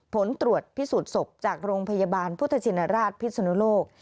ผลตรวจพิสูจน์ศพจากโรงพยาบาลพุทธชินราชพิศนุโลก